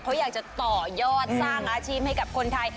เขาอยากจะต่อยอดสร้างอาชีพให้กับคนไทย